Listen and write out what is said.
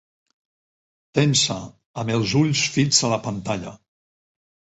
Tensa, amb els ulls fits a la pantalla.